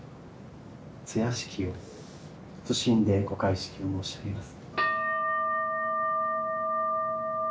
通夜式を謹んでご開式申し上げます。